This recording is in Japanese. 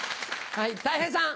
はい。